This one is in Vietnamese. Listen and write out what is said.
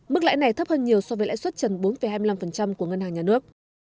mức lãi này thấp hơn nhiều so với lãi suất trần bốn hai mươi năm của ngân hàng nhà nước